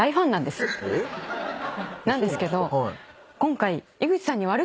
なんですけど今回。